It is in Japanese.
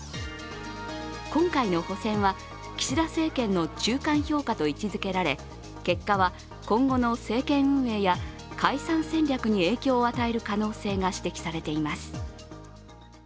今回の補選は岸田政権の中間評価と位置づけられ結果は今後の政権運営や解散戦略に影響を与える可能性が指摘されています。